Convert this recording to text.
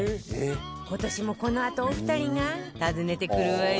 今年もこのあとお二人が訪ねてくるわよ